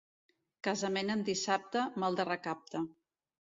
Casament en dissabte, mal de recapte.